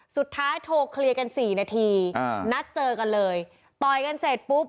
สุดท้ายโทรเคลียร์กันสี่นาทีอ่านัดเจอกันเลยต่อยกันเสร็จปุ๊บ